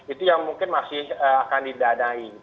itu yang mungkin masih akan didanai